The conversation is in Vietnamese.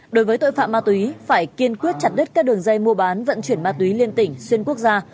đối với tội phạm ma túy phải kiên quyết chặt đứt các đường dây mua bán vận chuyển ma túy liên tỉnh xuyên quốc gia